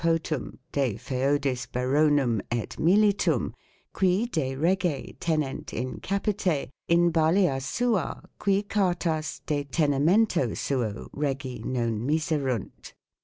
de feodis Baron um et militum qui de rege tenent in capite in Ballia sua qui Cartas de Tenemento suo Regi non miserunt